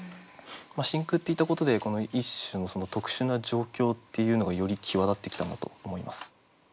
「真空」って言ったことでこの一種のその特殊な状況っていうのがより際立ってきたんだと思います。